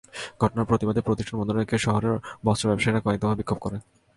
ঘটনার প্রতিবাদে প্রতিষ্ঠান বন্ধ রেখে শহরের বস্ত্র ব্যবসায়ীরা কয়েক দফা বিক্ষোভ করেন।